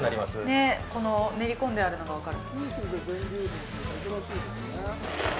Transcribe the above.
ねっ、この練り込んであるのが分かる。